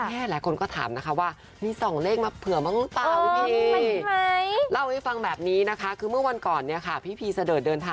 แค่หลายคนก็ถามว่ามี๒เลขมาเผื่อมั้งหรือเปล่า